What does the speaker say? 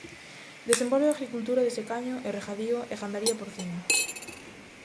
Desenvolve agricultura de secaño e regadío e gandaría porcina.